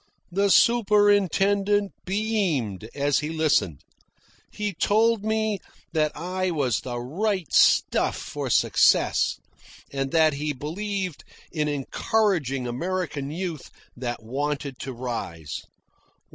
The superintendent beamed as he listened. He told me that I was the right stuff for success, and that he believed in encouraging American youth that wanted to rise.